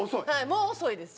もう遅いです